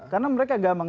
karena mereka gampang